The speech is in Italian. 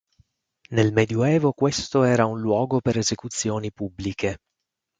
Nel Medioevo questo era un luogo per esecuzioni pubbliche.